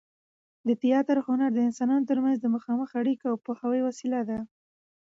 د تياتر هنر د انسانانو تر منځ د مخامخ اړیکې او پوهاوي وسیله ده.